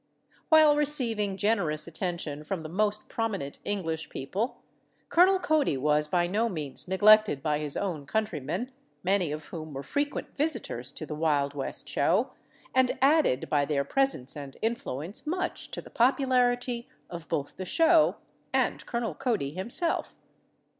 While receiving generous attention from the most prominent English people, Colonel Cody was by no means neglected by his own countrymen, many of whom were frequent visitors to the Wild West Show, and added by their presence and influence much to the popularity of both the show and Colonel Cody himself.